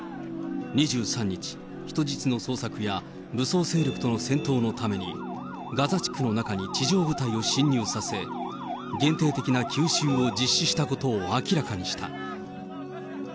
２３日、人質の捜索や武装勢力との戦闘のために、ガザ地区の中に地上部隊を進入させ、限定的な急襲を実施したことを明らかにした。